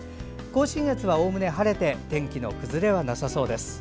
甲信越はおおむね晴れて天気の崩れはなさそうです。